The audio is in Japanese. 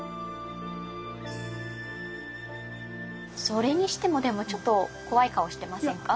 それにしてもでもちょっと怖い顔してませんか？